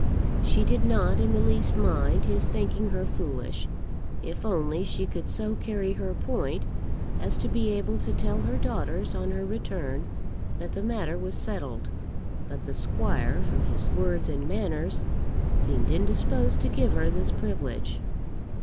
She did not in the least mind his thinking her foolish, if only she could so carry her point as to be able to tell her daughters on her return that the matter was settled. But the squire, from his words and manners, seemed indisposed to give her this privilege.